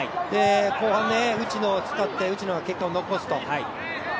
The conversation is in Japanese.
後半、内野を使って内野が結果を残すと。